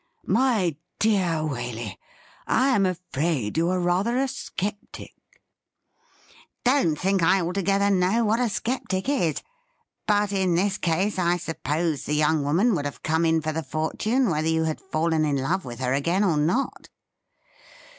' My dear Waley, I am afraid you are rather a sceptic' ' Don't think I altogether know what a sceptic is ; but in this case I suppose the young woman would have come in for the fortune whether you had fallen in love with her again or not.'